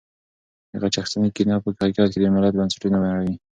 د غچ اخیستنې کینه په حقیقت کې د یو ملت بنسټونه نړوي.